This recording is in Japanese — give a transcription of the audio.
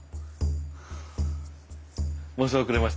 申し遅れました。